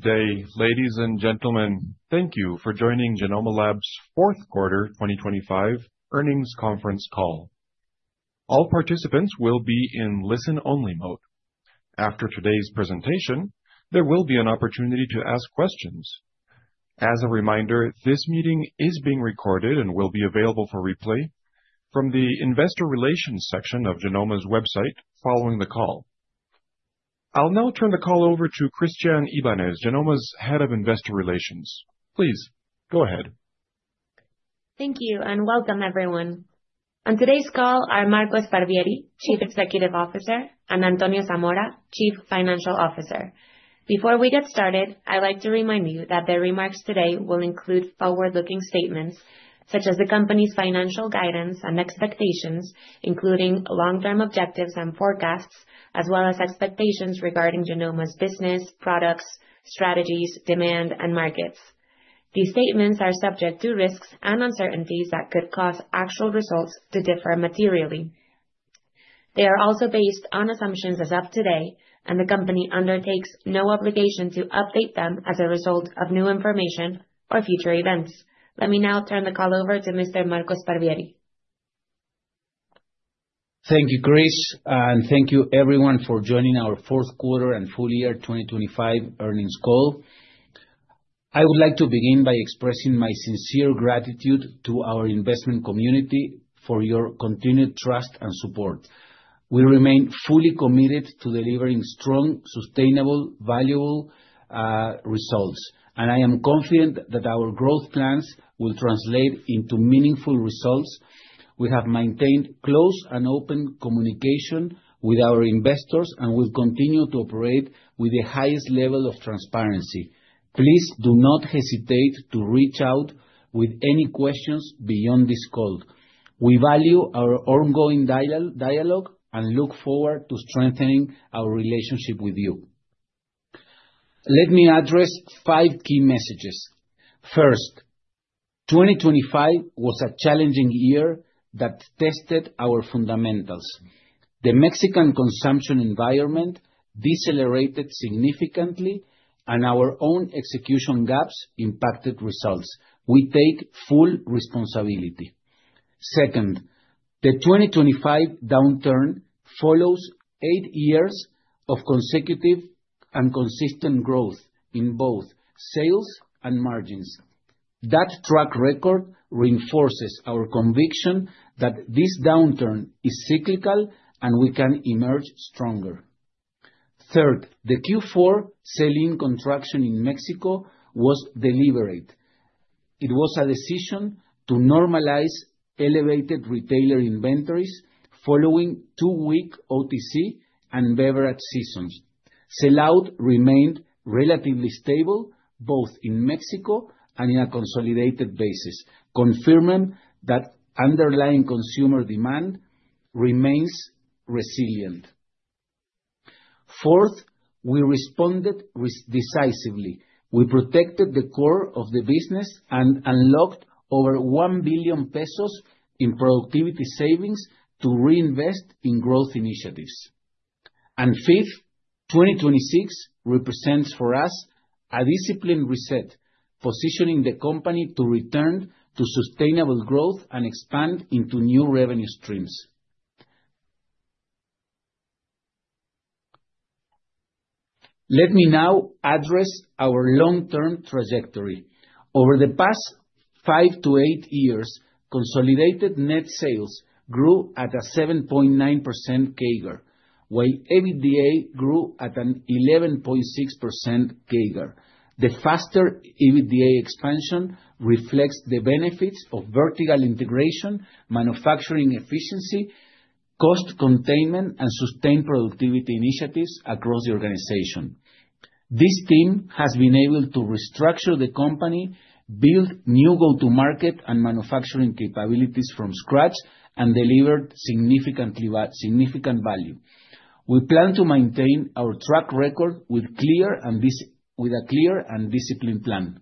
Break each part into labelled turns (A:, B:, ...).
A: Good day, ladies and gentlemen. Thank you for joining Genomma Lab's fourth quarter, 2025 earnings conference call. All participants will be in listen-only mode. After today's presentation, there will be an opportunity to ask questions. As a reminder, this meeting is being recorded and will be available for replay from the investor relations section of Genomma's website following the call. I'll now turn the call over to Christianne Ibáñez, Genomma's Head of Investor Relations. Please go ahead.
B: Thank you, welcome everyone. On today's call are Marco Sparvieri, Chief Executive Officer, and Antonio Zamora, Chief Financial Officer. Before we get started, I'd like to remind you that the remarks today will include forward-looking statements such as the company's financial guidance and expectations, including long-term objectives and forecasts, as well as expectations regarding Genomma's business, products, strategies, demand, and markets. These statements are subject to risks and uncertainties that could cause actual results to differ materially. They are also based on assumptions as of today. The company undertakes no obligation to update them as a result of new information or future events. Let me now turn the call over to Mr. Marco Sparvieri.
C: Thank you, Chris, and thank you everyone for joining our fourth quarter and full year 2025 earnings call. I would like to begin by expressing my sincere gratitude to our investment community for your continued trust and support. We remain fully committed to delivering strong, sustainable, valuable results. I am confident that our growth plans will translate into meaningful results. We have maintained close and open communication with our investors. We'll continue to operate with the highest level of transparency. Please do not hesitate to reach out with any questions beyond this call. We value our ongoing dialogue and look forward to strengthening our relationship with you. Let me address five key messages. First, 2025 was a challenging year that tested our fundamentals. The Mexican consumption environment decelerated significantly. Our own execution gaps impacted results. We take full responsibility. Second, the 2025 downturn follows eight years of consecutive and consistent growth in both sales and margins. That track record reinforces our conviction that this downturn is cyclical, and we can emerge stronger. Third, the Q4 sell-in contraction in Mexico was deliberate. It was a decision to normalize elevated retailer inventories following two weak OTC and beverage seasons. Sell-out remained relatively stable, both in Mexico and in a consolidated basis, confirming that underlying consumer demand remains resilient. Fourth, we responded decisively. We protected the core of the business and unlocked over 1 billion pesos in productivity savings to reinvest in growth initiatives. Fifth, 2026 represents for us a disciplined reset, positioning the company to return to sustainable growth and expand into new revenue streams. Let me now address our long-term trajectory. Over the past 5-8 years, consolidated net sales grew at a 7.9% CAGR, while EBITDA grew at an 11.6% CAGR. The faster EBITDA expansion reflects the benefits of vertical integration, manufacturing efficiency, cost containment, and sustained productivity initiatives across the organization. This team has been able to restructure the company, build new go-to-market and manufacturing capabilities from scratch, and delivered significantly significant value. We plan to maintain our track record with a clear and disciplined plan.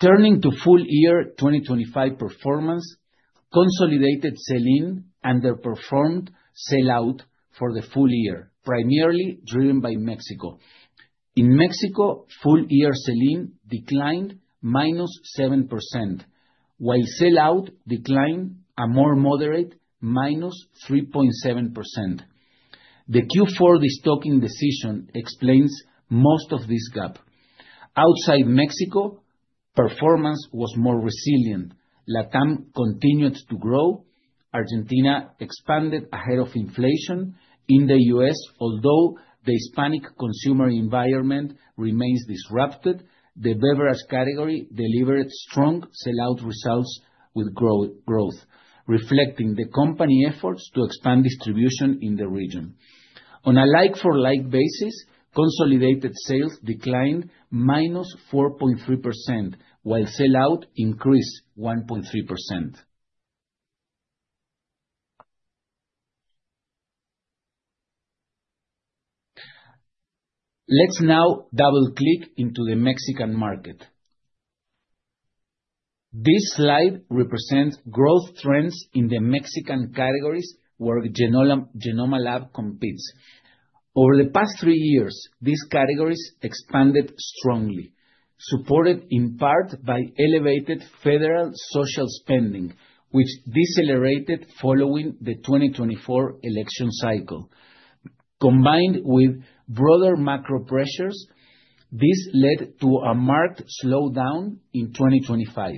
C: Turning to full year 2025 performance, consolidated sell-in underperformed sell-out for the full year, primarily driven by Mexico. In Mexico, full year sell-in declined -7%, while sell-out declined a more moderate -3.7%. The Q4 destocking decision explains most of this gap. Outside Mexico, performance was more resilient. LatAm continued to grow. Argentina expanded ahead of inflation. In the U.S., although the Hispanic consumer environment remains disrupted, the beverage category delivered strong sell-out results with growth, reflecting the company efforts to expand distribution in the region. On a like for like basis, consolidated sales declined -4.3%, while sell-out increased 1.3%. Let's now double-click into the Mexican market. This slide represents growth trends in the Mexican categories where Genomma Lab competes. Over the past three years, these categories expanded strongly, supported in part by elevated federal social spending, which decelerated following the 2024 election cycle. Combined with broader macro pressures, this led to a marked slowdown in 2025.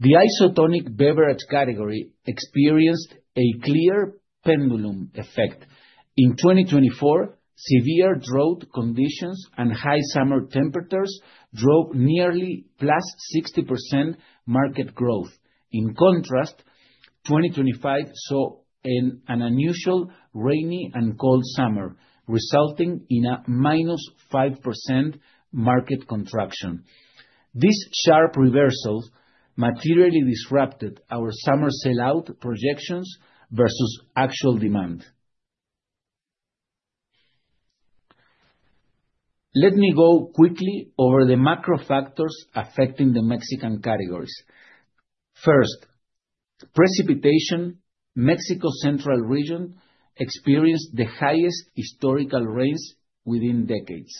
C: The isotonic beverage category experienced a clear pendulum effect. In 2024, severe drought conditions and high summer temperatures drove nearly +60% market growth. In contrast, 2025 saw an unusual rainy and cold summer, resulting in a -5% market contraction. These sharp reversals materially disrupted our summer sellout projections versus actual demand. Let me go quickly over the macro factors affecting the Mexican categories. First, precipitation. Mexico's central region experienced the highest historical rains within decades.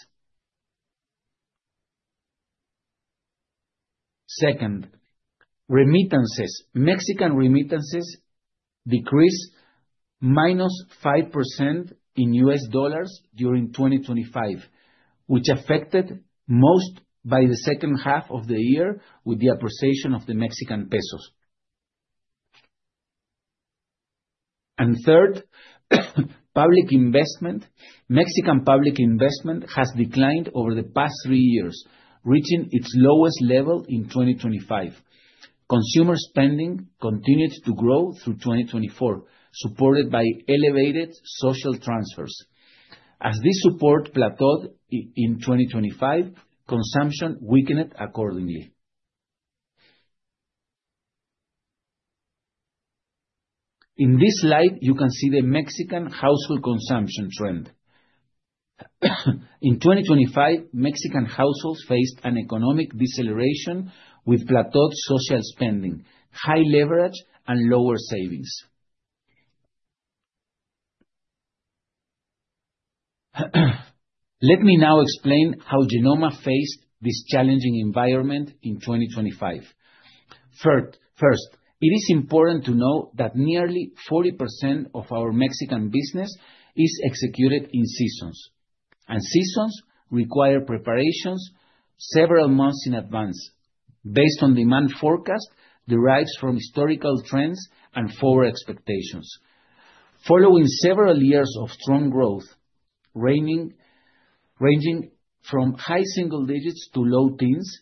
C: Second, remittances. Mexican remittances decreased -5% in U.S. dollars during 2025, which affected most by the second half of the year with the appreciation of the Mexican pesos. Third, public investment. Mexican public investment has declined over the past three years, reaching its lowest level in 2025. Consumer spending continued to grow through 2024, supported by elevated social transfers. As this support plateaued in 2025, consumption weakened accordingly. In this slide, you can see the Mexican household consumption trend. In 2025, Mexican households faced an economic deceleration with plateaued social spending, high leverage, and lower savings. Let me now explain how Genomma faced this challenging environment in 2025. First, it is important to know that nearly 40% of our Mexican business is executed in seasons. Seasons require preparations several months in advance based on demand forecast, derives from historical trends and forward expectations. Following several years of strong growth, ranging from high single digits to low teens,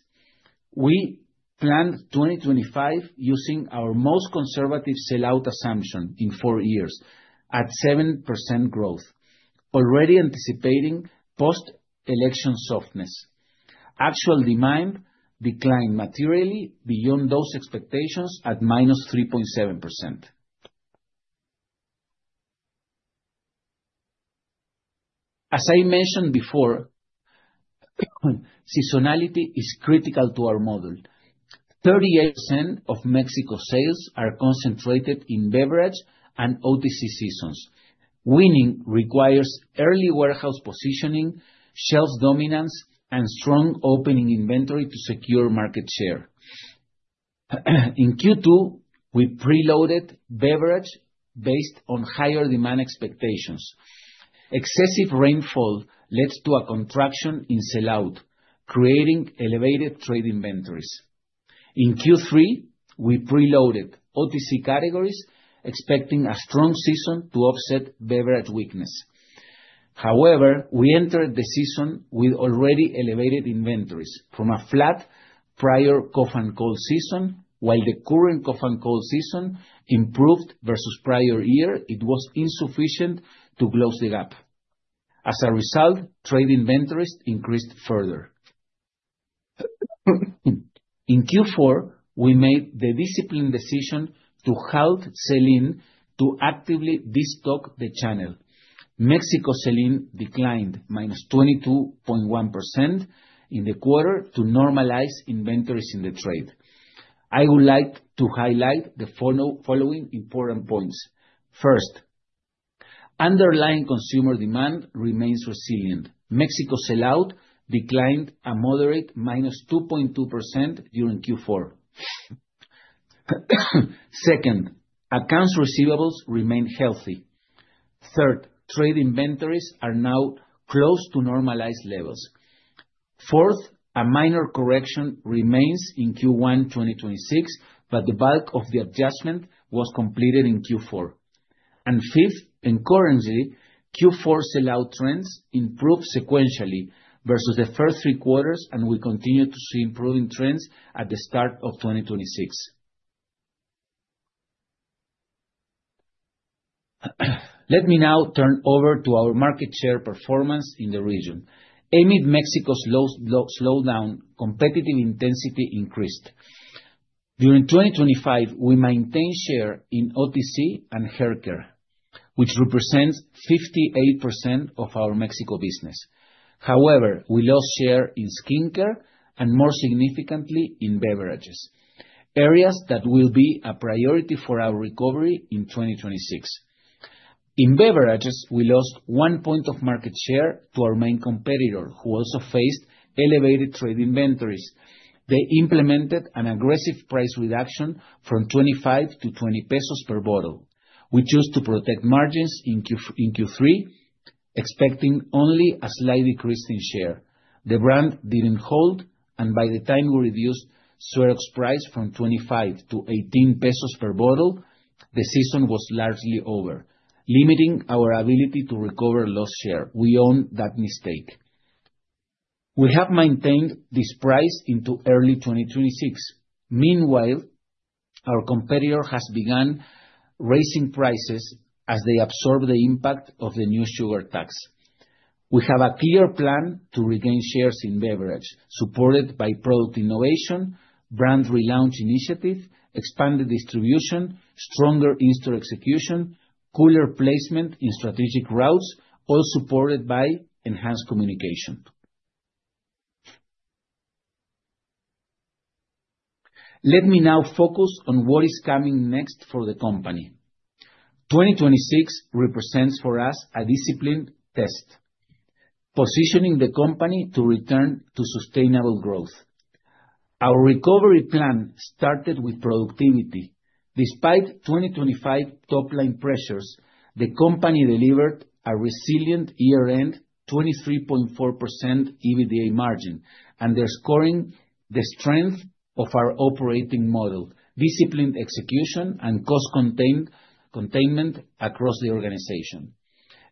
C: we planned 2025 using our most conservative sell-out assumption in four years, at 7% growth, already anticipating post-election softness. Actual demand declined materially beyond those expectations at -3.7%. As I mentioned before, seasonality is critical to our model. 38% of Mexico sales are concentrated in beverage and OTC seasons. Winning requires early warehouse positioning, shelf dominance, and strong opening inventory to secure market share. In Q2, we preloaded beverage based on higher demand expectations. Excessive rainfall led to a contraction in sellout, creating elevated trade inventories. In Q3, we preloaded OTC categories, expecting a strong season to offset beverage weakness. However, we entered the season with already elevated inventories from a flat prior cough and cold season. While the current cough and cold season improved versus prior year, it was insufficient to close the gap. As a result, trade inventories increased further. In Q4, we made the disciplined decision to help sell-in to actively destock the channel. Mexico sell-in declined -22.1% in the quarter to normalize inventories in the trade. I would like to highlight the following important points. First, underlying consumer demand remains resilient. Mexico sellout declined a moderate -2.2% during Q4. Second, accounts receivables remain healthy. Third, trade inventories are now close to normalized levels. Fourth, a minor correction remains in Q1, 2026, but the bulk of the adjustment was completed in Q4. Fifth, currently, Q4 sellout trends improved sequentially versus the first three quarters, and we continue to see improving trends at the start of 2026. Let me now turn over to our market share performance in the region. Amid Mexico's slowdown, competitive intensity increased. During 2025, we maintained share in OTC and haircare which represents 58% of our Mexico business. We lost share in skincare and more significantly, in beverages, areas that will be a priority for our recovery in 2026. In beverages, we lost 1 point of market share to our main competitor, who also faced elevated trade inventories. They implemented an aggressive price reduction from 25 to 20 pesos per bottle. We chose to protect margins in Q3, expecting only a slight decrease in share. By the time we reduced Suerox price from 25 to 18 pesos per bottle, the season was largely over, limiting our ability to recover lost share. We own that mistake. We have maintained this price into early 2026. Meanwhile, our competitor has begun raising prices as they absorb the impact of the new sugar tax. We have a clear plan to regain shares in beverage, supported by product innovation, brand relaunch initiative, expanded distribution, stronger in-store execution, cooler placement in strategic routes, all supported by enhanced communication. Let me now focus on what is coming next for the company. 2026 represents for us a disciplined test, positioning the company to return to sustainable growth. Our recovery plan started with productivity. Despite 2025 top-line pressures, the company delivered a resilient year-end, 23.4% EBITDA margin, and they're scoring the strength of our operating model, disciplined execution, and cost containment across the organization.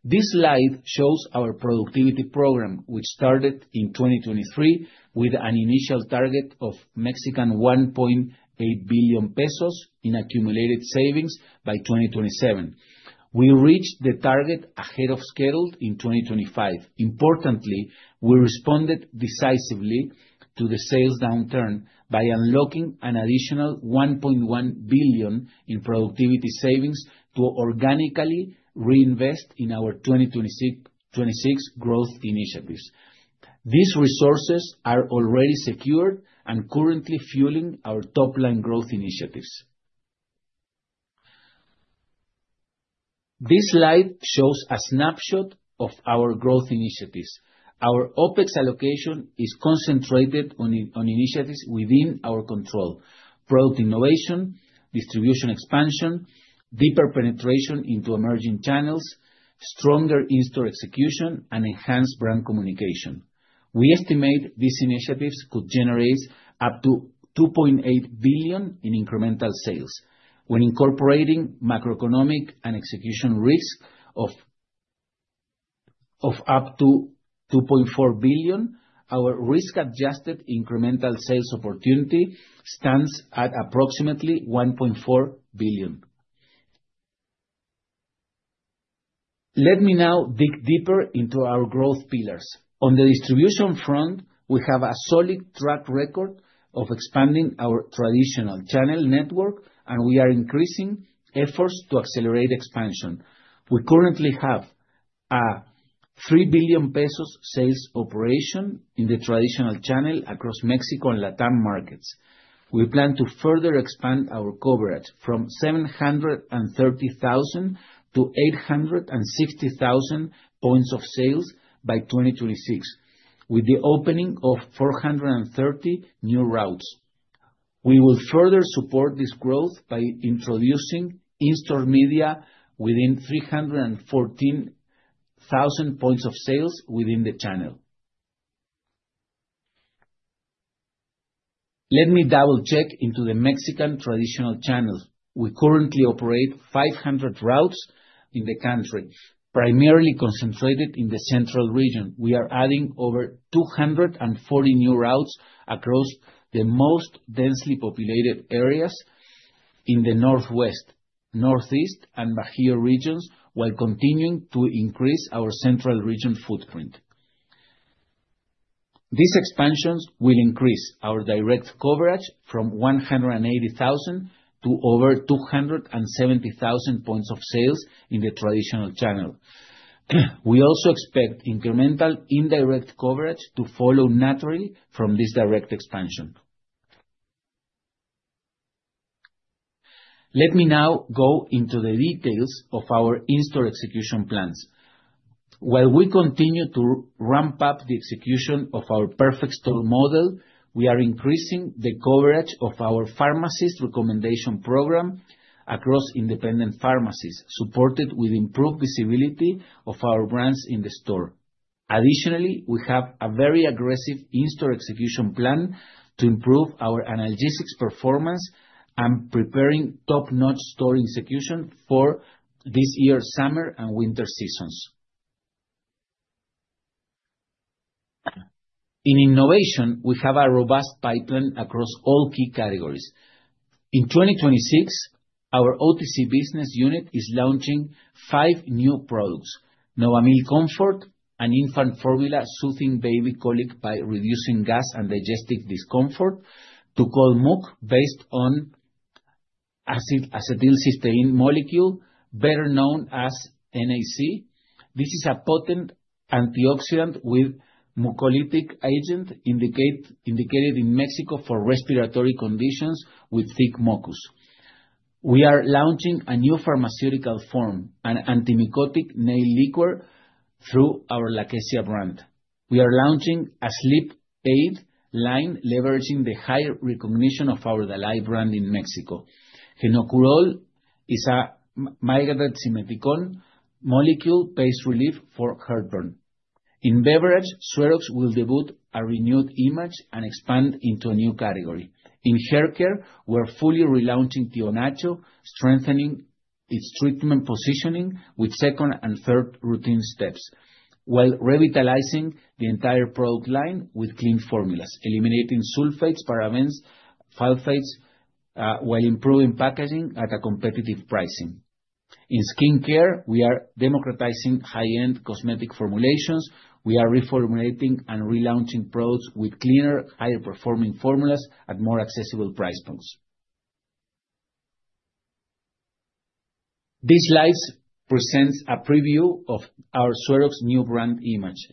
C: This slide shows our productivity program, which started in 2023, with an initial target of 1.8 billion pesos in accumulated savings by 2027. We reached the target ahead of schedule in 2025. Importantly, we responded decisively to the sales downturn by unlocking an additional 1.1 billion in productivity savings to organically reinvest in our 2026 growth initiatives. These resources are already secured and currently fueling our top-line growth initiatives. This slide shows a snapshot of our growth initiatives. Our OpEx allocation is concentrated on initiatives within our control: product innovation, distribution expansion, deeper penetration into emerging channels, stronger in-store execution, and enhanced brand communication. We estimate these initiatives could generate up to 2.8 billion in incremental sales. When incorporating macroeconomic and execution risk of up to 2.4 billion, our risk-adjusted incremental sales opportunity stands at approximately MXN 1.4 billion. Let me now dig deeper into our growth pillars. On the distribution front, we have a solid track record of expanding our traditional channel network, and we are increasing efforts to accelerate expansion. We currently have a 3 billion pesos sales operation in the traditional channel across Mexico and LatAm markets. We plan to further expand our coverage from 730,000 to 860,000 points of sales by 2026, with the opening of 430 new routes. We will further support this growth by introducing in-store media within 314,000 points of sales within the channel. Let me double-check into the Mexican traditional channels. We currently operate 500 routes in the country, primarily concentrated in the central region. We are adding over 240 new routes across the most densely populated areas in the northwest, northeast, and Bajío regions, while continuing to increase our central region footprint. These expansions will increase our direct coverage from 180,000 to over 270,000 points of sales in the traditional channel. We also expect incremental indirect coverage to follow naturally from this direct expansion. Let me now go into the details of our in-store execution plans. While we continue to ramp up the execution of our perfect store model, we are increasing the coverage of our pharmacist recommendation program across independent pharmacies, supported with improved visibility of our brands in the store. Additionally, we have a very aggressive in-store execution plan to improve our analgesics performance and preparing top-notch store execution for this year's summer and winter seasons. In innovation, we have a robust pipeline across all key categories. In 2026, our OTC business unit is launching five new products: Novamil Comfort, an infant formula, soothing baby colic by reducing gas and digestive discomfort; to Cold Muk, based on acetylcysteine molecule, better known as NAC. This is a potent antioxidant with mucolytic agent, indicated in Mexico for respiratory conditions with thick mucus. We are launching a new pharmaceutical form, an antimycotic nail lacquer, through our Lakesia brand. We are launching a sleep aid line, leveraging the high recognition of our Dalay brand in Mexico. Genoprazol a migrated simethicone molecule-based relief for heartburn. In beverage, Suerox will debut a renewed image and expand into a new category. In haircare, we're fully relaunching Tío Nacho, strengthening its treatment positioning with second and third routine steps, while revitalizing the entire product line with clean formulas, eliminating sulfates, parabens, phthalates, while improving packaging at a competitive pricing. In skincare, we are democratizing high-end cosmetic formulations. We are reformulating and relaunching products with cleaner, higher-performing formulas at more accessible price points. These slides presents a preview of our Suerox new brand image.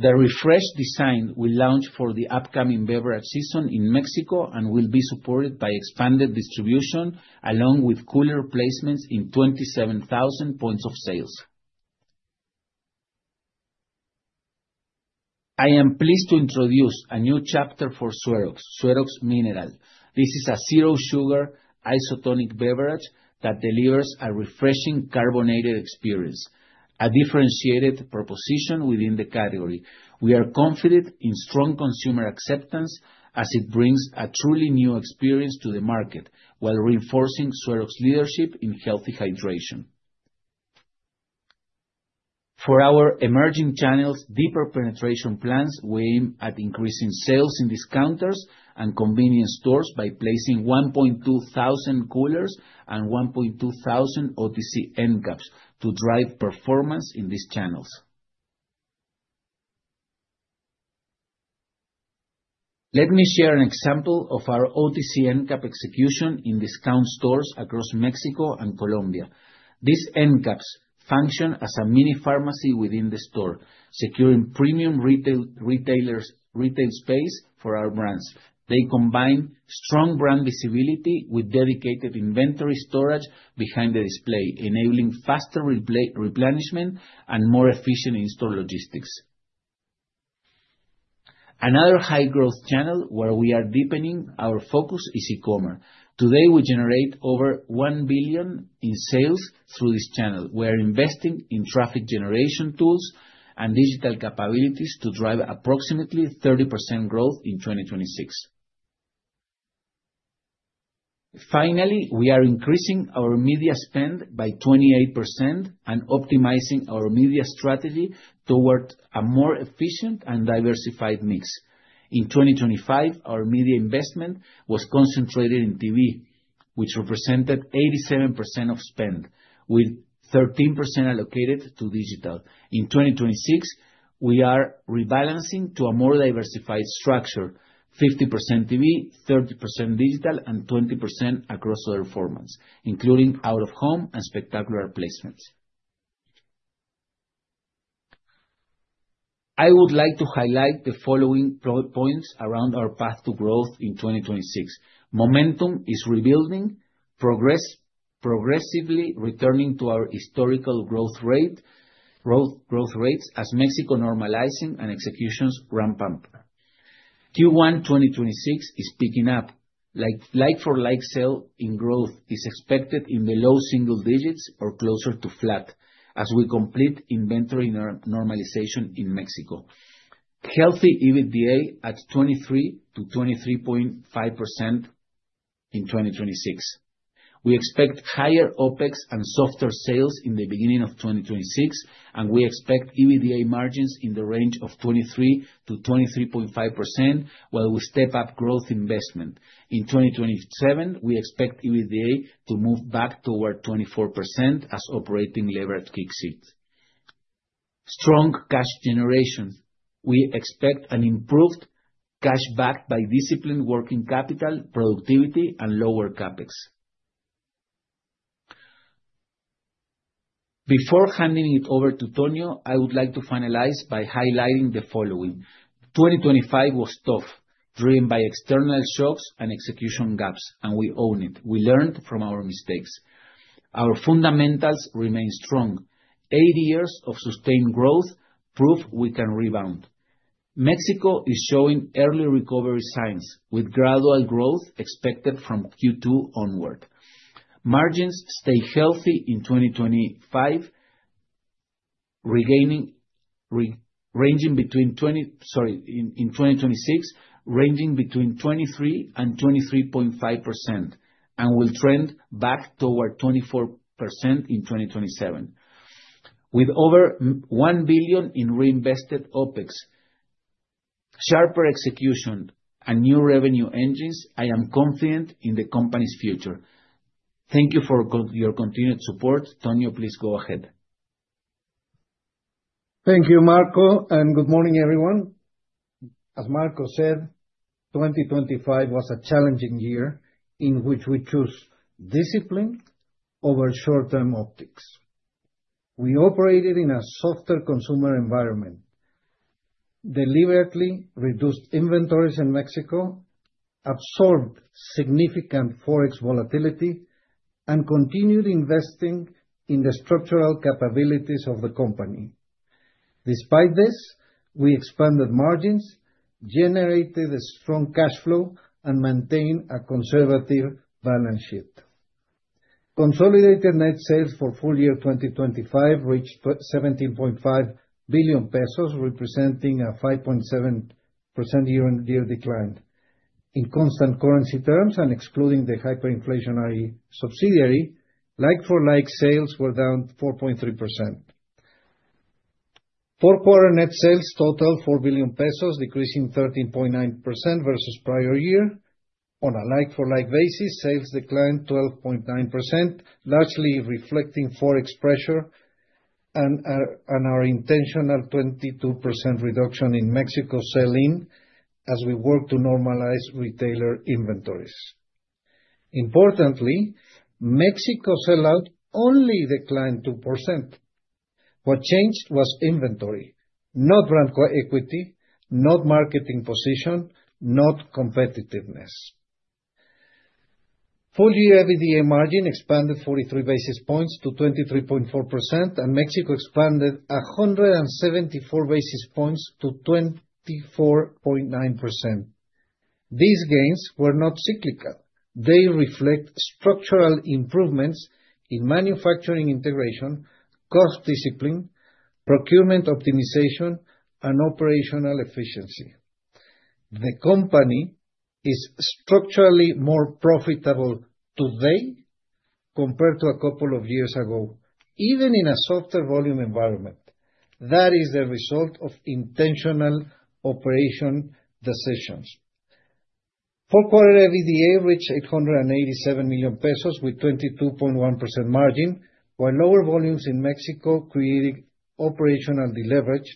C: The refreshed design will launch for the upcoming beverage season in Mexico and will be supported by expanded distribution, along with cooler placements in 27,000 points of sales. I am pleased to introduce a new chapter for Suerox Mineral. This is a zero-sugar, isotonic beverage that delivers a refreshing carbonated experience, a differentiated proposition within the category. We are confident in strong consumer acceptance, as it brings a truly new experience to the market, while reinforcing Suerox leadership in healthy hydration. For our emerging channels, deeper penetration plans aim at increasing sales in discounters and convenience stores by placing 1,200 coolers and 1,200 OTC end caps to drive performance in these channels. Let me share an example of our OTC end cap execution in discount stores across Mexico and Colombia. These end caps function as a mini pharmacy within the store, securing premium retail, retailers, retail space for our brands. They combine strong brand visibility with dedicated inventory storage behind the display, enabling faster replenishment and more efficient in-store logistics. Another high-growth channel where we are deepening our focus is e-commerce. Today, we generate over 1 billion in sales through this channel. We're investing in traffic generation tools and digital capabilities to drive approximately 30% growth in 2026. Finally, we are increasing our media spend by 28% and optimizing our media strategy toward a more efficient and diversified mix. In 2025, our media investment was concentrated in TV, which represented 87% of spend, with 13% allocated to digital. In 2026, we are rebalancing to a more diversified structure: 50% TV, 30% digital, and 20% across other formats, including out-of-home and spectacular placements. I would like to highlight the following pro points around our path to growth in 2026. Momentum is rebuilding, progressively returning to our historical growth rates as Mexico normalizing and executions ramp up. Q1 2026 is picking up. Like-for-like sale in growth is expected in the low single digits or closer to flat, as we complete inventory normalization in Mexico. Healthy EBITDA at 23%-23.5% in 2026. We expect higher OpEx and softer sales in the beginning of 2026, and we expect EBITDA margins in the range of 23%-23.5%, while we step up growth investment. In 2027, we expect EBITDA to move back toward 24% as operating leverage kicks in. Strong cash generation. We expect an improved cash back by disciplined working capital, productivity, and lower CapEx. Before handing it over to Tonio, I would like to finalize by highlighting the following. 2025 was tough, driven by external shocks and execution gaps. We own it. We learned from our mistakes. Our fundamentals remain strong. Eight years of sustained growth, proof we can rebound. Mexico is showing early recovery signs, with gradual growth expected from Q2 onward. Margins stay healthy in 2025, ranging between 23%-23.5% in 2026. Will trend back toward 24% in 2027. With over 1 billion in reinvested OpEx, sharper execution, and new revenue engines, I am confident in the company's future. Thank you for your continued support. Tonio, please go ahead.
D: Thank you, Marco, and good morning, everyone. As Marco said, 2025 was a challenging year in which we chose discipline over short-term optics. We operated in a softer consumer environment, deliberately reduced inventories in Mexico, absorbed significant Forex volatility, and continued investing in the structural capabilities of the company. Despite this, we expanded margins, generated a strong cash flow, and maintained a conservative balance sheet. Consolidated net sales for full year 2025 reached 17.5 billion pesos, representing a 5.7% year-on-year decline. In constant currency terms and excluding the hyperinflationary subsidiary, like-for-like sales were down 4.3%. Fourth quarter net sales totaled 4 billion pesos, decreasing 13.9% versus prior year. On a like-for-like basis, sales declined 12.9%, largely reflecting Forex pressure and our intentional 22% reduction in Mexico sell-in as we work to normalize retailer inventories. Importantly, Mexico sell-out only declined 2%. What changed was inventory, not brand co-equity, not marketing position, not competitiveness. Full year EBITDA margin expanded 43 basis points to 23.4%, and Mexico expanded 174 basis points to 24.9%. These gains were not cyclical. They reflect structural improvements in manufacturing integration, cost discipline, procurement optimization, and operational efficiency. The company is structurally more profitable today compared to a couple of years ago, even in a softer volume environment. That is the result of intentional operation decisions. Fourth quarter EBITDA reached 887 million pesos with 22.1% margin, while lower volumes in Mexico created operational deleverage.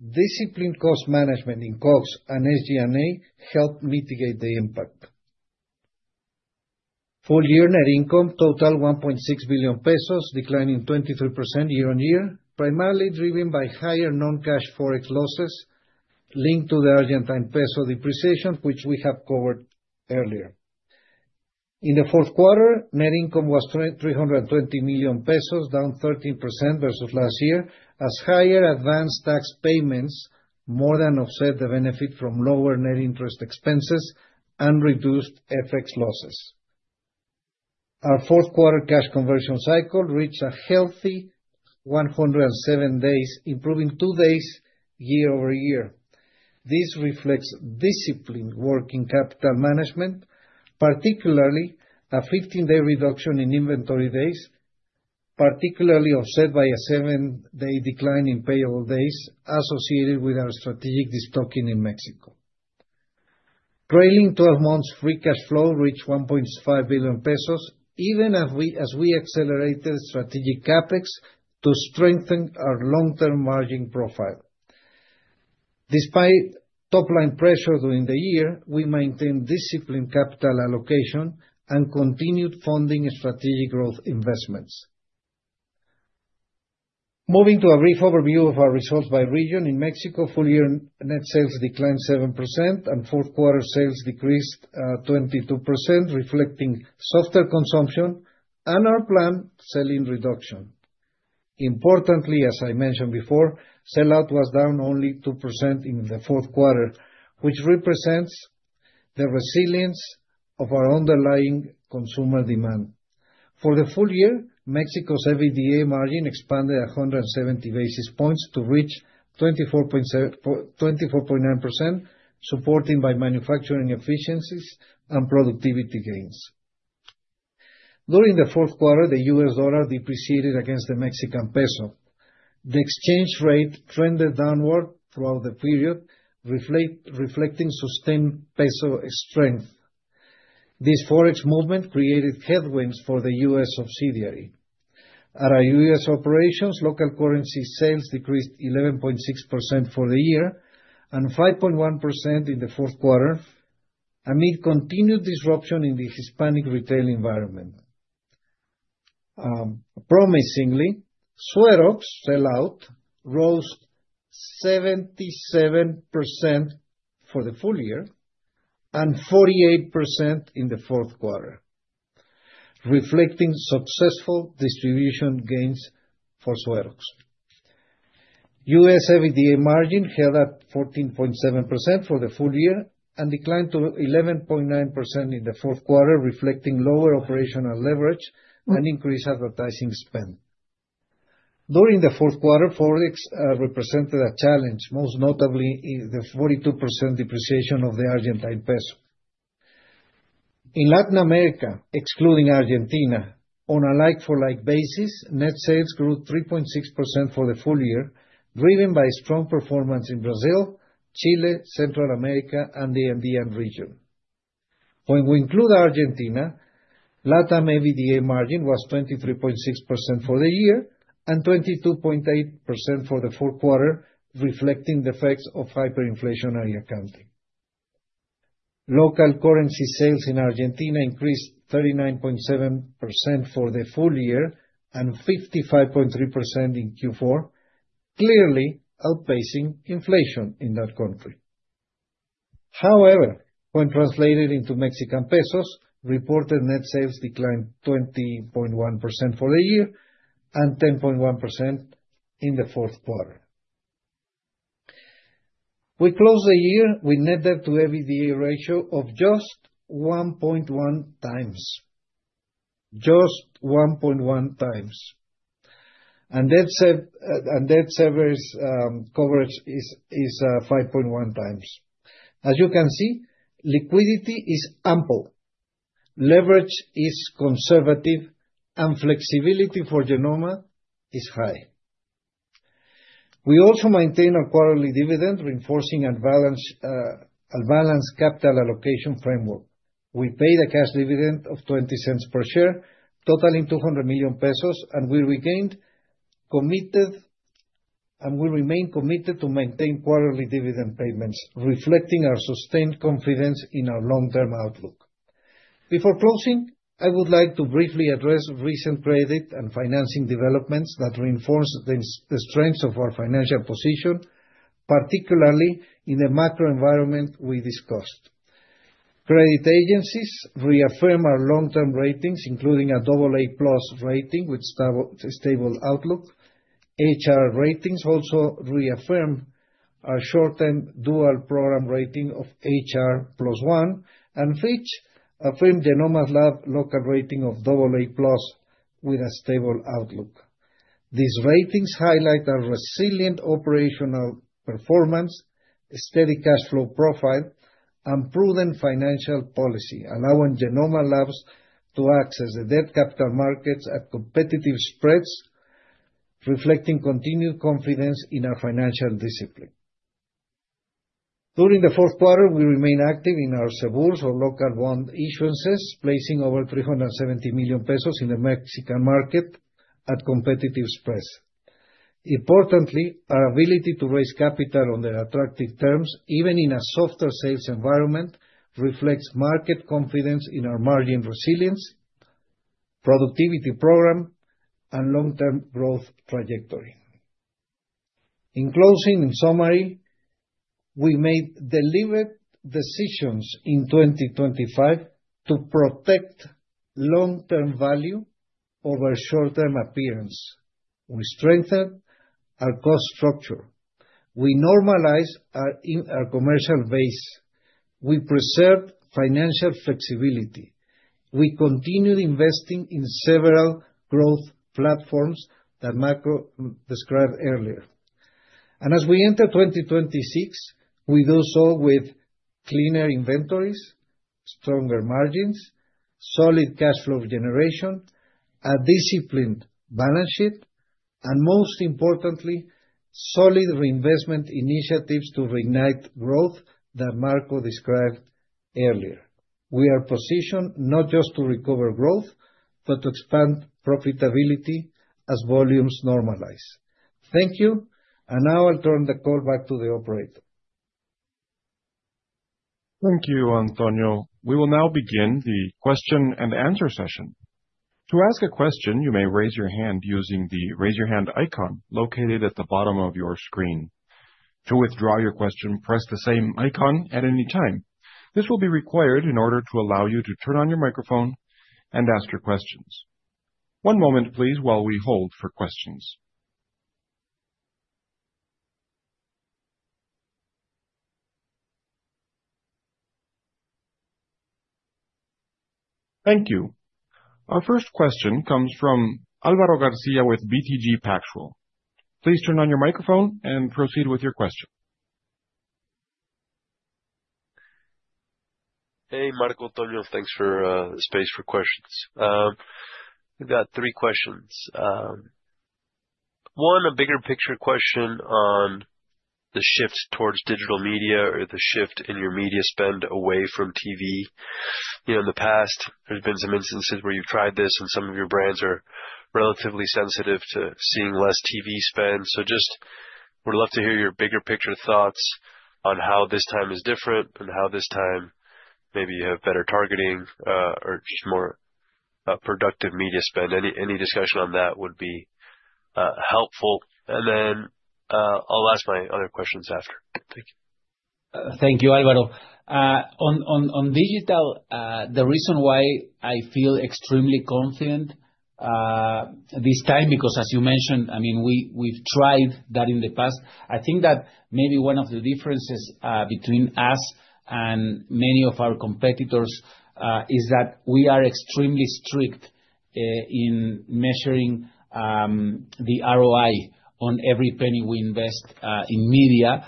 D: Discipline cost management in COGS and SG&A helped mitigate the impact. Full year net income totaled 1.6 billion pesos, declining 23% year-on-year, primarily driven by higher non-cash Forex losses linked to the Argentine peso depreciation, which we have covered earlier. In the Fourth quarter, net income was 320 million pesos, down 13% versus last year, as higher advanced tax payments more than offset the benefit from lower net interest expenses and reduced FX losses. Our Fourth quarter cash conversion cycle reached a healthy 107 days, improving two days year-over-year. This reflects disciplined working capital management, particularly a 15-day reduction in inventory days, particularly offset by a seven-day decline in payable days associated with our strategic destocking in Mexico. Trailing 12 months, free cash flow reached 1.5 billion pesos, even as we accelerated strategic CapEx to strengthen our long-term margin profile. Despite top-line pressure during the year, we maintained disciplined capital allocation and continued funding strategic growth investments. Moving to a brief overview of our results by region. In Mexico, full year net sales declined 7% and fourth quarter sales decreased 22%, reflecting softer consumption and our planned sell-in reduction. Importantly, as I mentioned before, sellout was down only 2% in the fourth quarter, which represents the resilience of our underlying consumer demand. For the full year, Mexico's EBITDA margin expanded 170 basis points to reach 24.9%, supported by manufacturing efficiencies and productivity gains. During the fourth quarter, the U.S. dollar depreciated against the Mexican peso. The exchange rate trended downward throughout the period, reflecting sustained peso strength. This Forex movement created headwinds for the U.S. subsidiary. At our U.S. operations, local currency sales decreased 11.6% for the year and 5.1% in the fourth quarter, amid continued disruption in the Hispanic retail environment. Promisingly, Suero sell-out rose 77% for the full year and 48% in the fourth quarter, reflecting successful distribution gains for Suero. U.S. EBITDA margin held at 14.7% for the full year and declined to 11.9% in the fourth quarter, reflecting lower operational leverage and increased advertising spend. During the fourth quarter, Forex represented a challenge, most notably in the 42% depreciation of the Argentine peso. In Latin America, excluding Argentina, on a like-for-like basis, net sales grew 3.6% for the full year, driven by strong performance in Brazil, Chile, Central America, and the Andean region. When we include Argentina, LatAm EBITDA margin was 23.6% for the year and 22.8% for the fourth quarter, reflecting the effects of hyperinflationary accounting. Local currency sales in Argentina increased 39.7% for the full year and 55.3% in Q4, clearly outpacing inflation in that country. When translated into Mexican pesos, reported net sales declined 20.1% for the year and 10.1% in the fourth quarter. We closed the year with net debt to EBITDA ratio of just 1.1x. Just 1.1x. Debt service coverage is 5.1x. As you can see, liquidity is ample, leverage is conservative, and flexibility for Genomma is high. We also maintain a quarterly dividend, reinforcing a balanced capital allocation framework. We paid a cash dividend of 0.20 per share, totaling 200 million pesos, and we remain committed to maintain quarterly dividend payments, reflecting our sustained confidence in our long-term outlook. Before closing, I would like to briefly address recent credit and financing developments that reinforce the strengths of our financial position, particularly in the macro environment we discussed. Credit agencies reaffirm our long-term ratings, including a AA+ rating with stable outlook. HR Ratings also reaffirmed our short-term dual program rating of HR+1, and Fitch affirmed Genomma Lab local rating of AA+ with a stable outlook. These ratings highlight our resilient operational performance, steady cash flow profile, and prudent financial policy, allowing Genomma Lab to access the debt capital markets at competitive spreads, reflecting continued confidence in our financial discipline. During the fourth quarter, we remain active in our Cebures or local bond issuances, placing over 370 million pesos in the Mexican market at competitive spreads. Importantly, our ability to raise capital on attractive terms, even in a softer sales environment, reflects market confidence in our margin resilience, productivity program, and long-term growth trajectory. In closing, in summary, we made deliberate decisions in 2025 to protect long-term value over short-term appearance. We strengthened our cost structure. We normalized our commercial base. We preserved financial flexibility. We continued investing in several growth platforms that Marco described earlier. As we enter 2026, we do so with cleaner inventories, stronger margins, solid cash flow generation, a disciplined balance sheet, and most importantly, solid reinvestment initiatives to reignite growth that Marco described earlier. We are positioned not just to recover growth, but to expand profitability as volumes normalize. Thank you, and now I'll turn the call back to the operator.
A: Thank you, Antonio. We will now begin the question and answer session. To ask a question, you may raise your hand using the raise your hand icon located at the bottom of your screen. To withdraw your question, press the same icon at any time. This will be required in order to allow you to turn on your microphone and ask your questions. One moment, please, while we hold for questions. Thank you. Our first question comes from Álvaro García with BTG Pactual. Please turn on your microphone and proceed with your question.
E: Hey, Marco, Antonio, thanks for the space for questions. We've got three questions. One, a bigger picture question on the shift towards digital media or the shift in your media spend away from TV. You know, in the past, there's been some instances where you've tried this, and some of your brands are relatively sensitive to seeing less TV spend. Just would love to hear your bigger picture thoughts on how this time is different and how this time maybe you have better targeting, or just more productive media spend. Any discussion on that would be helpful. Then, I'll ask my other questions after. Thank you.
C: Thank you, Alvaro. On digital, the reason why I feel extremely confident this time, because as you mentioned, I mean, we've tried that in the past. I think that maybe one of the differences between us and many of our competitors is that we are extremely strict in measuring the ROI on every penny we invest in media.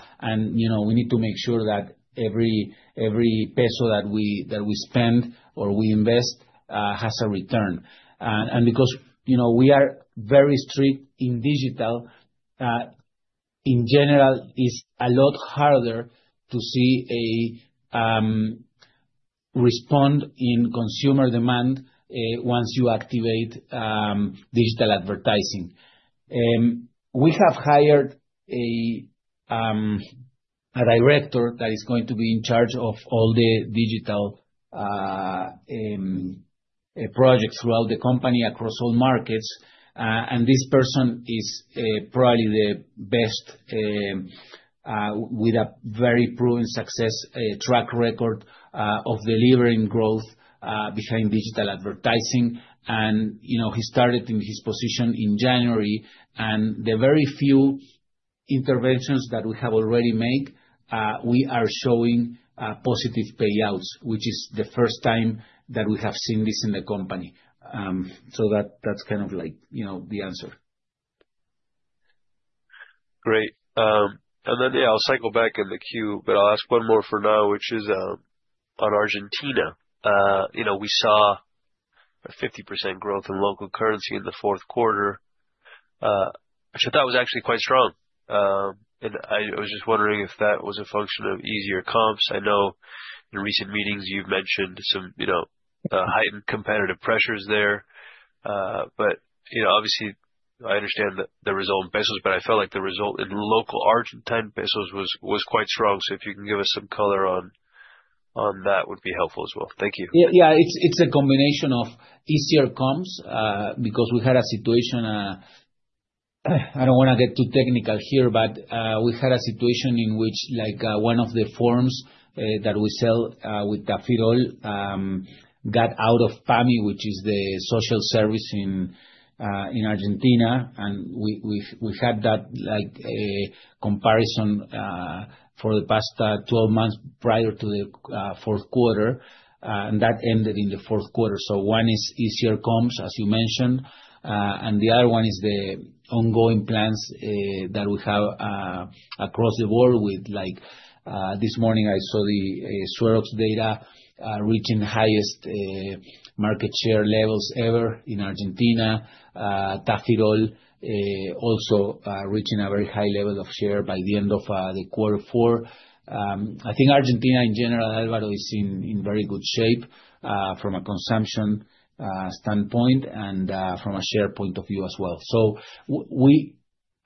C: You know, we need to make sure that every peso that we spend or we invest has a return. Because, you know, we are very strict in digital. in general, it's a lot harder to see a respond in consumer demand once you activate digital advertising. We have hired a director that is going to be in charge of all the digital projects throughout the company, across all markets. This person is probably the best with a very proven success track record of delivering growth behind digital advertising. You know, he started in his position in January, and the very few interventions that we have already made, we are showing positive payouts, which is the first time that we have seen this in the company. That's kind of like, you know, the answer.
E: Great. Yeah, I'll cycle back in the queue, but I'll ask one more for now, which is on Argentina. You know, we saw a 50% growth in local currency in the fourth quarter. That was actually quite strong. I was just wondering if that was a function of easier comps. I know in recent meetings you've mentioned some, you know, heightened competitive pressures there. You know, obviously, I understand the result in pesos, but I felt like the result in local Argentine pesos was quite strong. If you can give us some color on that, would be helpful as well. Thank you.
C: Yeah, yeah, it's a combination of easier comps, because we had a situation. I don't wanna get too technical here, but we had a situation in which, like, one of the forms, that we sell, with Tafirol, got out of PAMI, which is the social service in Argentina. We had that, like, a comparison, for the past 12 months prior to the fourth quarter, and that ended in the fourth quarter. One is easier comps, as you mentioned. The other one is the ongoing plans, that we have, across the board with like, this morning, I saw data, reaching the highest market share levels ever in Argentina. Tafirol, also, reaching a very high level of share by the end of the quarter four. I think Argentina, in general, Alvaro, is in very good shape from a consumption standpoint and from a share point of view as well.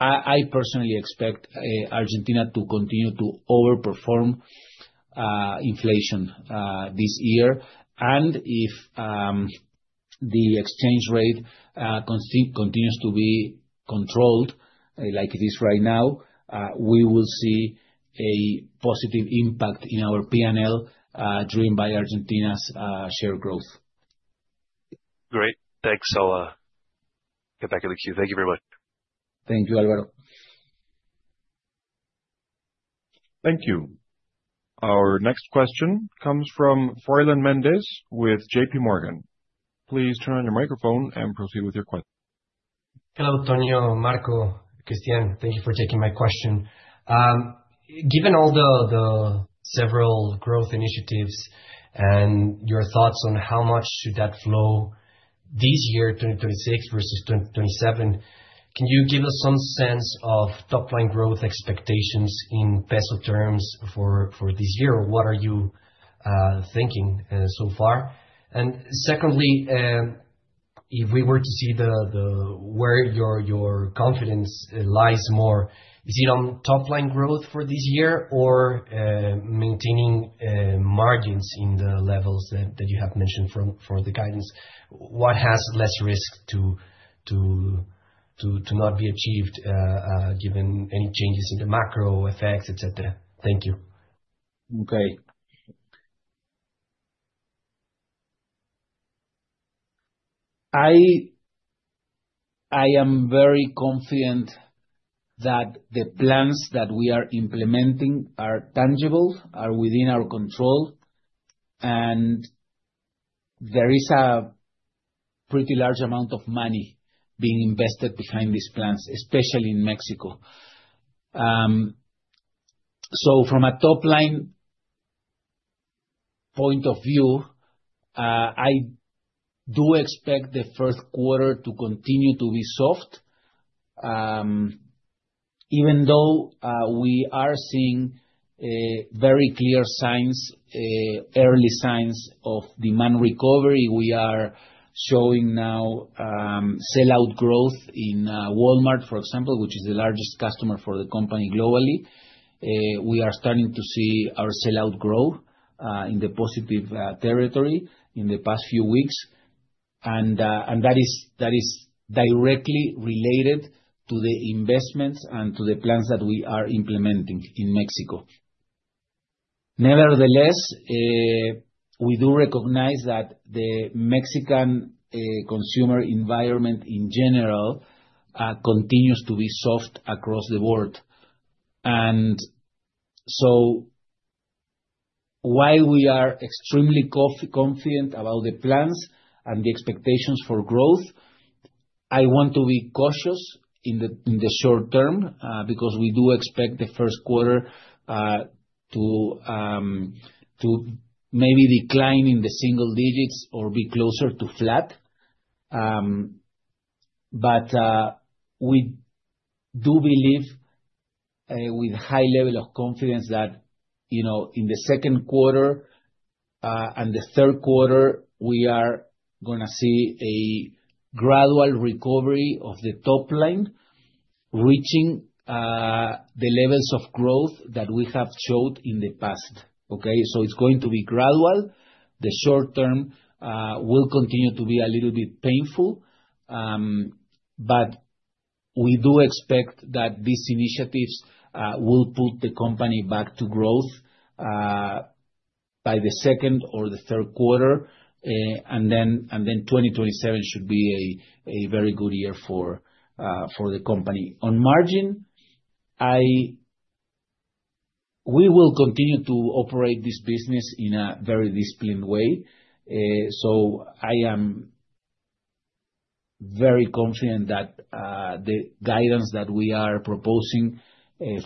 C: I personally expect Argentina to continue to overperform inflation this year. If the exchange rate continues to be controlled like it is right now, we will see a positive impact in our P&L driven by Argentina's share growth.
E: Great! Thanks. Get back in the queue. Thank you very much.
C: Thank you, Alvaro.
A: Thank you. Our next question comes from Froilán Méndez with JP Morgan. Please turn on your microphone and proceed with your question.
F: Hello, Tonio, Marco, Christian. Thank you for taking my question. Given all the several growth initiatives and your thoughts on how much should that fl0w this year, 2026 versus 2027, can you give us some sense of top-line growth expectations in peso terms for this year? What are you thinking so far? Secondly, if we were to see where your confidence lies more, is it on top-line growth for this year or maintaining margins in the levels that you have mentioned for the guidance? What has less risk to not be achieved given any changes in the macro effects, et cetera? Thank you.
C: I am very confident that the plans that we are implementing are tangible, are within our control, and there is a pretty large amount of money being invested behind these plans, especially in Mexico. From a top-line point of view, I do expect the first quarter to continue to be soft. Even though we are seeing very clear signs, early signs of demand recovery, we are showing now sellout growth in Walmart, for example, which is the largest customer for the company globally. We are starting to see our sellout growth in the positive territory in the past few weeks. That is directly related to the investments and to the plans that we are implementing in Mexico. Nevertheless, we do recognize that the Mexican consumer environment in general continues to be soft across the world. While we are extremely confident about the plans and the expectations for growth, I want to be cautious in the short term because we do expect the first quarter to maybe decline in the single digits or be closer to flat. We do believe with high level of confidence that, you know, in the second quarter and the third quarter, we are gonna see a gradual recovery of the top line, reaching the levels of growth that we have showed in the past, okay. It's going to be gradual. The short term will continue to be a little bit painful, but we do expect that these initiatives will put the company back to growth by the second or third quarter. 2027 should be a very good year for the company. On margin, we will continue to operate this business in a very disciplined way, so I am very confident that the guidance that we are proposing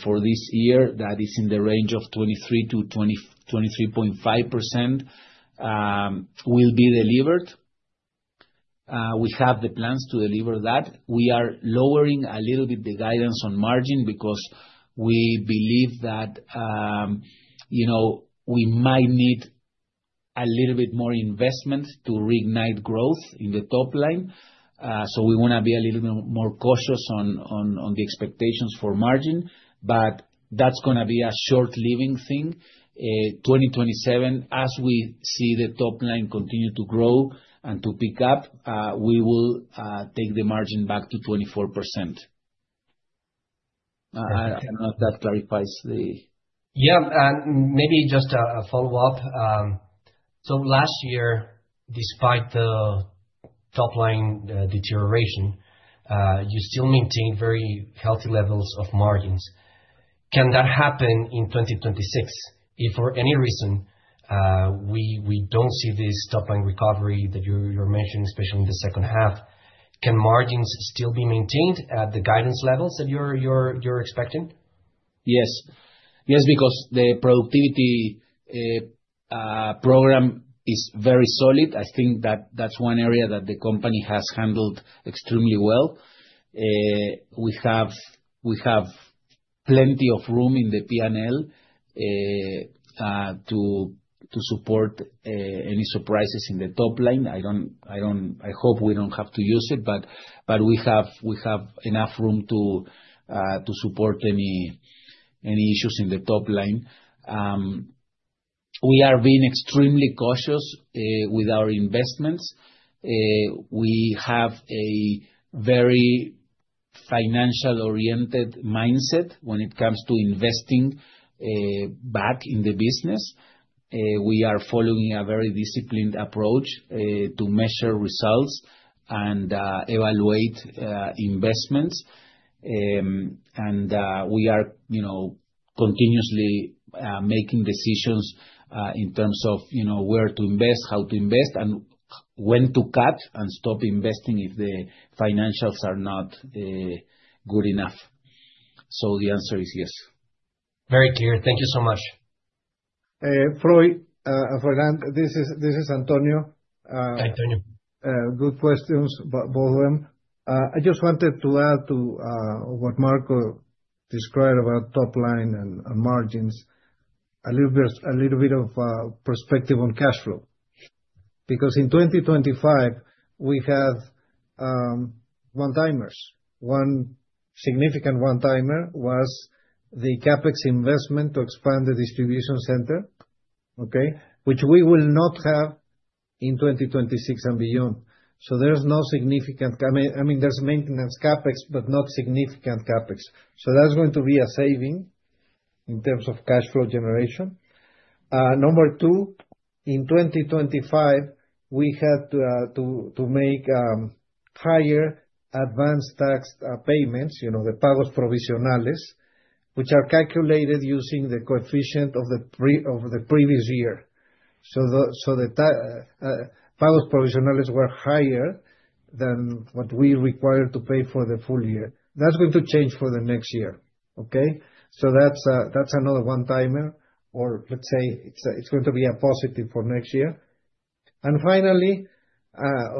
C: for this year, that is in the range of 23%-23.5%, will be delivered. We have the plans to deliver that. We are lowering a little bit the guidance on margin because we believe that, you know, we might need a little bit more investment to reignite growth in the top line. We wanna be a little bit more cautious on the expectations for margin, but that's gonna be a short-living thing. 2027, as we see the top line continue to grow and to pick up, we will take the margin back to 24%. I don't know if that clarifies.
F: Yeah, maybe just a follow-up. Last year, despite the top-line deterioration, you still maintained very healthy levels of margins. Can that happen in 2026? If for any reason, we don't see this top-line recovery that you're mentioning, especially in the second half, can margins still be maintained at the guidance levels that you're expecting?
C: Yes. Yes, because the productivity program is very solid. I think that's one area that the company has handled extremely well. We have plenty of room in the P&L to support any surprises in the top line. I hope we don't have to use it, but we have enough room to support any issues in the top line. We are being extremely cautious with our investments. We have a very financial-oriented mindset when it comes to investing back in the business. We are following a very disciplined approach to measure results and evaluate investments. We are, you know, continuously making decisions, in terms of, you know, where to invest, how to invest, and when to cut and stop investing if the financials are not good enough. The answer is yes.
F: Very clear. Thank you so much.
D: Froilán [Frenand], this is Antonio.
F: Hi, Antonio.
D: Good questions, both of them. I just wanted to add to what Marco described about top line and margins, a little bit of perspective on cash flow. In 2025, we had one-timers. One significant one-timer was the CapEx investment to expand the distribution center, okay? Which we will not have in 2026 and beyond. There's no significant CapEx, I mean, there's maintenance CapEx, but not significant CapEx. That's going to be a saving in terms of cash flow generation. Number two, in 2025, we had to make higher advanced tax payments, you know, the pagos provisionales, which are calculated using the coefficient of the previous year. The pagos provisionales were higher than what we required to pay for the full year. That's going to change for the next year, okay? That's another one-timer, or let's say, it's going to be a positive for next year. Finally,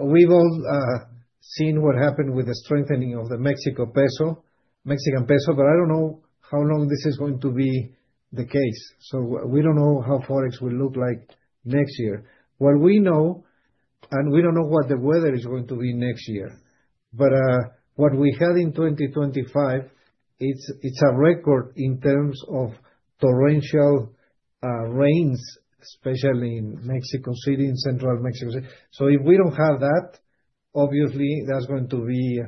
D: we've all seen what happened with the strengthening of the Mexico peso, Mexican peso, but I don't know how long this is going to be the case, so we don't know how Forex will look like next year. What we know, we don't know what the weather is going to be next year, what we had in 2025, it's a record in terms of torrential rains, especially in Mexico City, in central Mexico City. If we don't have that, obviously, that's going to be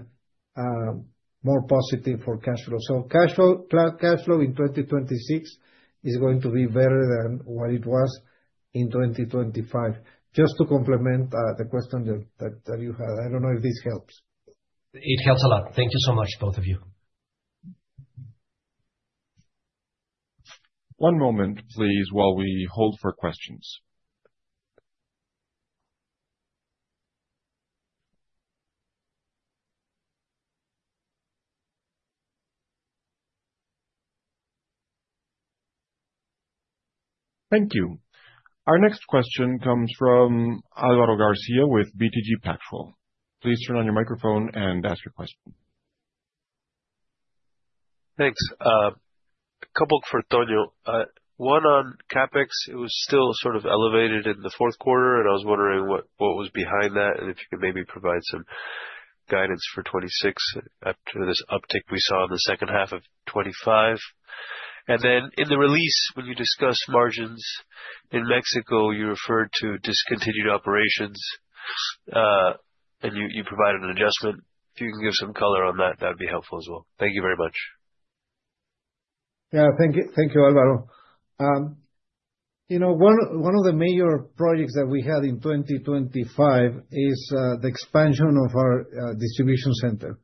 D: more positive for cash flow. Cash flow in 2026 is going to be better than what it was in 2025. Just to complement, the question that you had. I don't know if this helps.
F: It helps a lot. Thank you so much, both of you.
A: One moment, please, while we hold for questions. Thank you. Our next question comes from Álvaro García with BTG Pactual. Please turn on your microphone and ask your question.
E: Thanks. A couple for Tonio. One on CapEx. It was still sort of elevated in the fourth quarter, and I was wondering what was behind that, and if you could maybe provide some guidance for 2026 after this uptick we saw in the second half of 2025? In the release, when you discussed margins in Mexico, you referred to discontinued operations, and you provided an adjustment. If you can give some color on that'd be helpful as well. Thank you very much.
D: Yeah, thank you. Thank you, Alvaro. you know, one of the major projects that we had in 2025 is the expansion of our distribution center.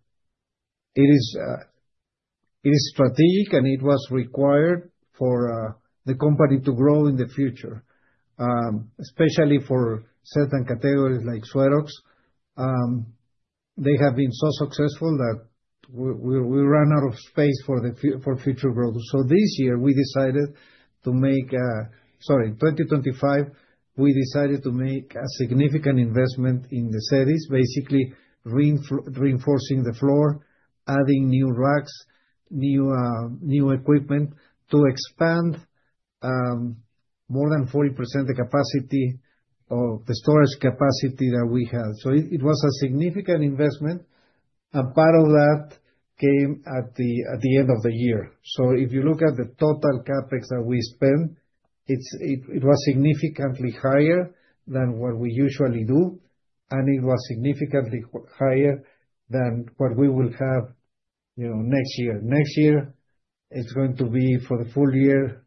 D: It is strategic, and it was required for the company to grow in the future, especially for certain categories like Suerox. They have been so successful that we ran out of space for future growth. This year, we decided to make... Sorry, in 2025, we decided to make a significant investment in the cities, basically reinforcing the floor, adding new racks, new equipment to expand more than 40% the capacity of the storage capacity that we had. It was a significant investment. A part of that came at the end of the year. If you look at the total CapEx that we spent, it was significantly higher than what we usually do, and it was significantly higher than what we will have, you know, next year. Next year, it's going to be for the full year,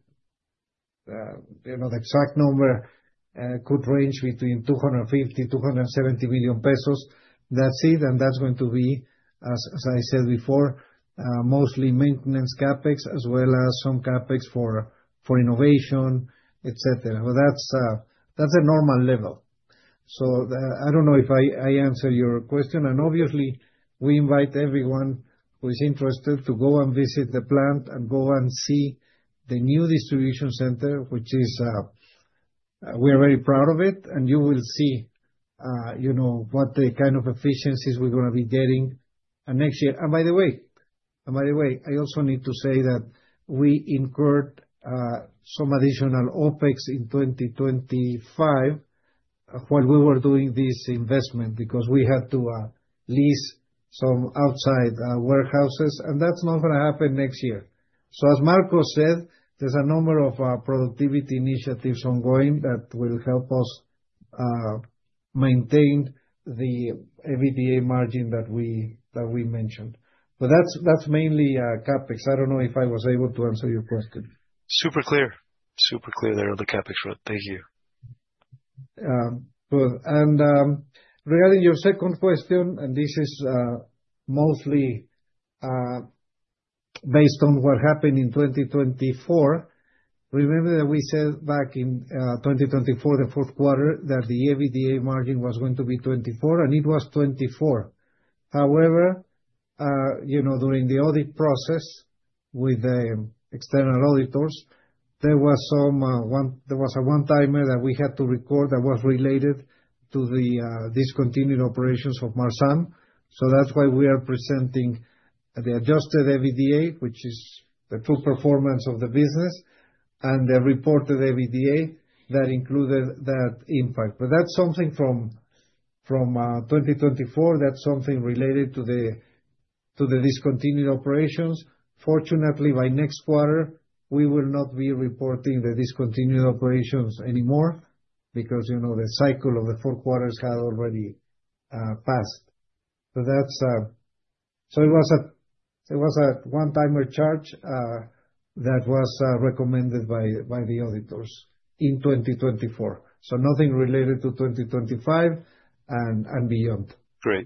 D: you know, the exact number, could range between 250 million-270 million pesos. That's it, and that's going to be, as I said before, mostly maintenance CapEx, as well as some CapEx for innovation, et cetera. That's, that's a normal level. I don't know if I answered your question, and obviously, we invite everyone who is interested to go and visit the plant and go and see the new distribution center, which is, we are very proud of it, and you will see, you know, what the kind of efficiencies we're gonna be getting next year. By the way, I also need to say that we incurred some additional OpEx in 2025 while we were doing this investment, because we had to lease some outside warehouses, and that's not gonna happen next year. As Marco said, there's a number of productivity initiatives ongoing that will help us maintain the EBITDA margin that we mentioned. That's mainly CapEx. I don't know if I was able to answer your question.
E: Super clear. Super clear there on the CapEx front. Thank you.
D: Good. Regarding your second question, this is mostly based on what happened in 2024, remember that we said back in 2024, the fourth quarter, that the EBITDA margin was going to be 24%, and it was 24%. You know, during the audit process with the external auditors, there was some, there was a one-timer that we had to record that was related to the discontinued operations of Marzam. That's why we are presenting the Adjusted EBITDA, which is the true performance of the business, and the reported EBITDA that included that impact. That's something from 2024. That's something related to the discontinued operations. Fortunately, by next quarter, we will not be reporting the discontinued operations anymore because, you know, the cycle of the four quarters have already passed. That's. It was a one-timer charge that was recommended by the auditors in 2024. Nothing related to 2025 and beyond.
E: Great.